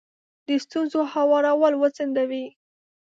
د ستونزو هوارول وځنډوئ.